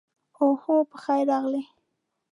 اوهو، پخیر راغلې.